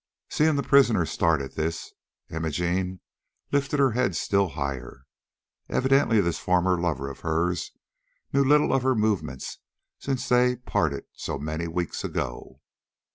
Seeing the prisoner start at this, Imogene lifted her head still higher. Evidently this former lover of hers knew little of her movements since they parted so many weeks ago.